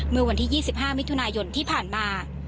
เมื่อวันที่๒๕มิถุนายนที่ผ่านมา